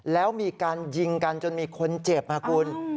แล้วมีการยิงกันจนมีคนเจ็บค่ะคุณ